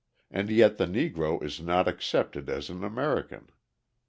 and yet the Negro is not accepted as an American.